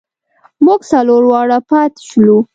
مونږ څلور واړه پاتې شولو.